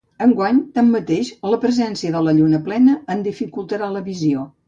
Enguany, tanmateix, la presència de la lluna plena en dificultarà la visió.